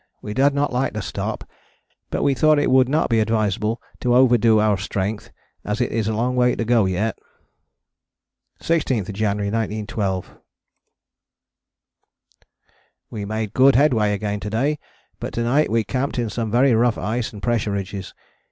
We did not like to stop, but we thought it would not be advisable to overdo our strength as it is a long way to go yet. 16th January 1912. We made good headway again to day, but to night we camped in some very rough ice and pressure ridges.